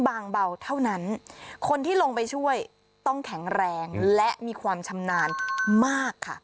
บางเบาเท่านั้นคนที่ลงไปช่วยต้องแข็งแรงและมีความชำนาญมากค่ะ